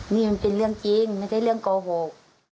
นี่มันเป็นเรื่องจริงไม่ใช่เรื่องโกหก